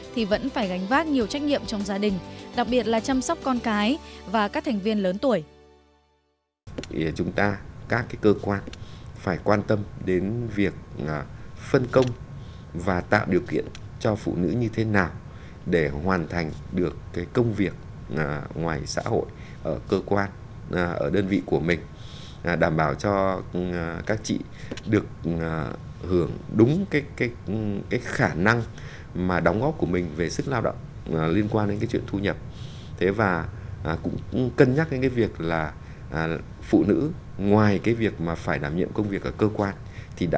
thì vẫn phải gánh vác nhiều trách nhiệm trong gia đình đặc biệt là chăm sóc con cái và các thành viên lớn tuổi